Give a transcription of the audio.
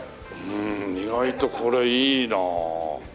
うん意外とこれいいなあ。